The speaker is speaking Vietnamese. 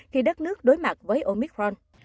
khi đất nước đối mặt với omicron